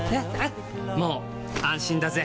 もう安心だぜ！